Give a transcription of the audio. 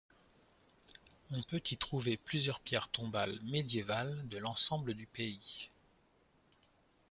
On peut y trouver plusieurs pierres tombales médiévales de l'ensemble du pays.